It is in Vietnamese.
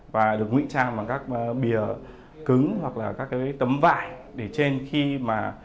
và được ngụy trang bằng các bìa cứng hoặc là các cái tấm vải để trên khi mà